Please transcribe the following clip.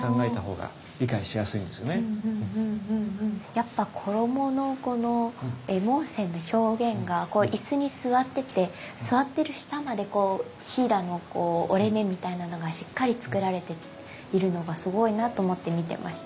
やっぱ衣のこの衣文線の表現が椅子に座ってて座ってる下までひだの折れ目みたいなのがしっかりつくられているのがすごいなと思って見てました。